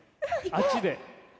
あっちで。